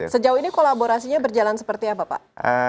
sejauh ini kolaborasinya berjalan seperti apa pak